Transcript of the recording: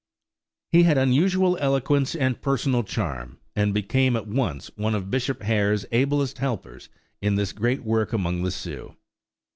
He had unusual eloquence and personal charm, and became at once one of Bishop Hare's ablest helpers in his great work among the Sioux.